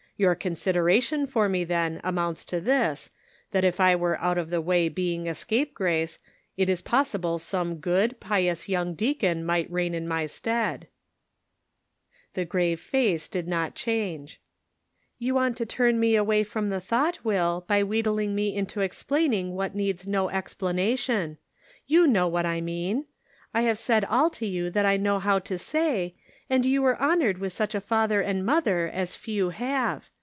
Your consideration for me, then, amounts to this, that if I were out of the way being a scapegrace, it is possible some good, pious young deacon might reign in my stead." Measuring Brains and Hearts. 123 The grave face did not change :" You want to turn me away from the thought, Will, by wheedling me into explain ing what needs no explanation. You know what I mean. I have said all to you that I know how to say, and you were honored with such a father and mother as few have.